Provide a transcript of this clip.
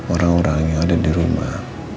orang orang yang ada di rumah